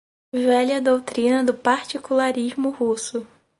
velha doutrina do particularismo russo